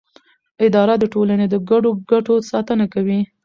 اداره د ټولنې د ګډو ګټو ساتنه کوي.